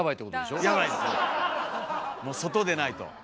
もう外出ないと。